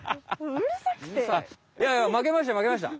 いやいやまけました